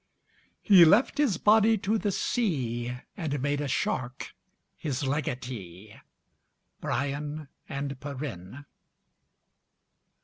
"He left his body to the sea, And made a shark his legatee." BRYAN AND PERENNE.